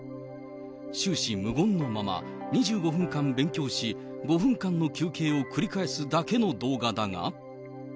終始無言のまま、２５分間勉強し、５分間の休憩を繰り返すだけの動画だが。